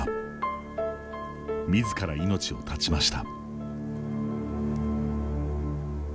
みずから命を絶ちました。